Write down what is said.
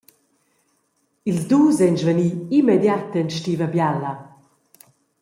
Ils dus ein svani immediat en stiva biala.